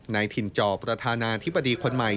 ถิ่นจอประธานาธิบดีคนใหม่